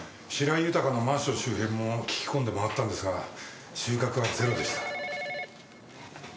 白井豊のマンション周辺も聞き込んで回ったんですが収穫はゼロでした。